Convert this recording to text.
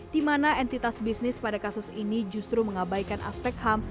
di mana entitas bisnis pada kasus ini justru mengabaikan aspek ham